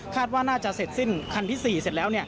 ว่าน่าจะเสร็จสิ้นคันที่๔เสร็จแล้ว